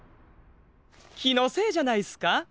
きのせいじゃないすか？